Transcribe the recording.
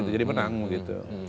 jadi menang gitu